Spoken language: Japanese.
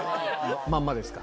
まんまですか？